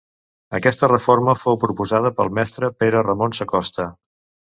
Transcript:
Aquesta reforma fou proposada pel mestre Pere Ramon Sacosta.